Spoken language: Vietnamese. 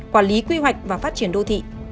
quản lý quy hoạch và phát triển đô thị